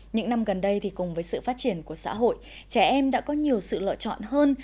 những năm gần đây thì cùng với sự phát triển của xã hội trẻ em đã có nhiều sự lựa chọn hơn